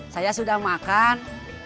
saya sudah makan